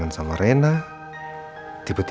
wah apapun proces